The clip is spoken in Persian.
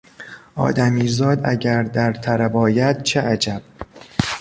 آدمیزاد اگر در طرب آید چه عجب...